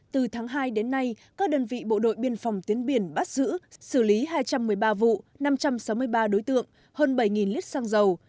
từ tháng hai đến nay các đơn vị bộ đội biên phòng tiến biển bắt giữ xử lý hai trăm một mươi ba vụ năm trăm sáu mươi ba đối tượng hơn bảy lít xăng dầu